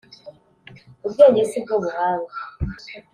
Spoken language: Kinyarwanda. Ubwenge si bwo buhanga